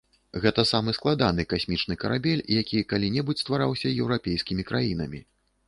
Гэта самы складаны касмічны карабель, які калі-небудзь ствараўся еўрапейскімі краінамі.